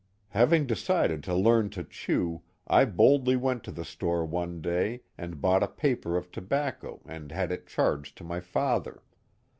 Having decided to learn to chew, I boldly went to the store one day and bought a paper of tobacco and had it charged to my father.